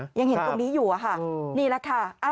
ยังเห็นตรงนี้อยู่อะค่ะนี่แหละค่ะ